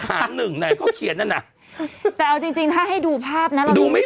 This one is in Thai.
สมมุติก็บอกว่าบังกะปิ